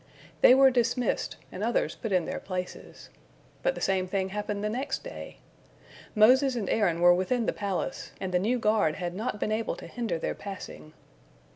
They were dismissed, and others put in their places. But the same thing happened the next day. Moses and Aaron were within the palace, and the new guard had not been able to hinder their passing.